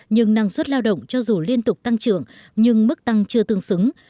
nhưng năng suất lao động cho dù liên tục tăng trưởng nhưng mức tăng chưa tương xứng